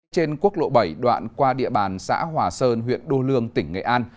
trên quốc lộ bảy đoạn qua địa bàn xã hòa sơn huyện đô lương tỉnh nghệ an